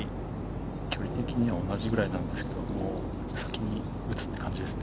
距離的には同じくらいなんですが、先に打つという感じですね。